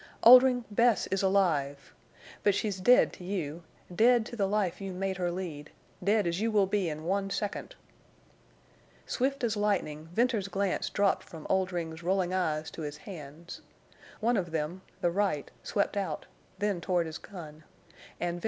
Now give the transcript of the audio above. "Oldring, Bess is alive! But she's dead to you—dead to the life you made her lead—dead as you will be in one second!" Swift as lightning Venters's glance dropped from Oldring's rolling eyes to his hands. One of them, the right, swept out, then toward his gun—and Venters shot him through the heart.